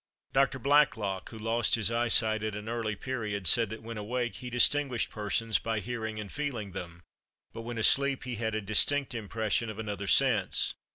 Dr. Blacklock, who lost his eyesight at an early period, said that, when awake, he distinguished persons by hearing and feeling them; but when asleep, he had a distinct impression of another sense.